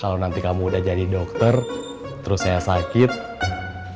kalau nanti kamu udah jadi dokter terus saya sakit saya ke kamu aja ya